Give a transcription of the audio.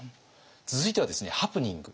続いてはですねハプニング。